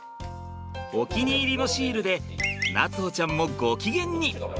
お気に入りのシールで夏歩ちゃんもご機嫌に！